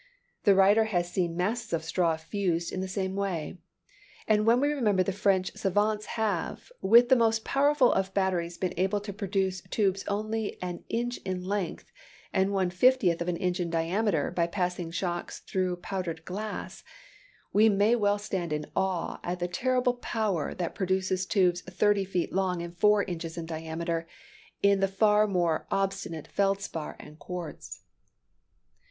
The writer has seen masses of straw fused in the same way. And when we remember that French savants have, with the most powerful of batteries been able to produce tubes only an inch in length and one fiftieth of an inch in diameter by passing shocks through powdered glass, we may well stand in awe at the terrible power that produces tubes thirty feet long and four inches in diameter in the far more obstinate feldspar and quartz.